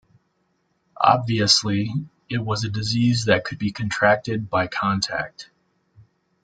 Obviously, it was a disease that could be contracted by contact.